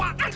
ada apa li